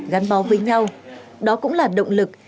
gắn mó với nhau đó cũng là động lực